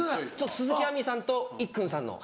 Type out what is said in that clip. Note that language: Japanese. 鈴木亜美さんといっくんさんの。